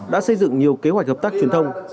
đã xây dựng nhiều kế hoạch hợp tác truyền thông